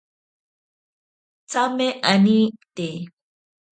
Tsame anite.